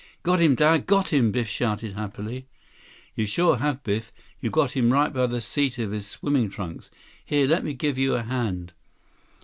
"Got him, Dad. Got him!" Biff shouted happily. "You sure have, Biff. You got him right by the seat of his swimming trunks. Here, let me give you a hand."